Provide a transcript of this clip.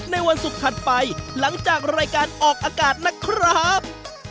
ในวันศุกร์ถัดไปหลังจากรายการออกอากาศนะครับ